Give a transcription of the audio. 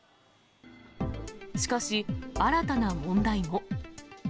しかし、新たな問題も。